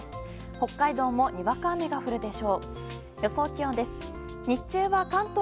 北海道もにわか雨が降るでしょう。